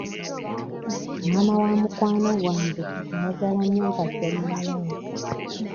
Maama wa mukwano gwange ayagala nnyo mpase muwala we.